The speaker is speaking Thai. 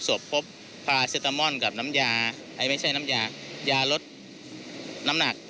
พบพาเซตามอนกับน้ำยาไอ้ไม่ใช่น้ำยายาลดน้ำหนัก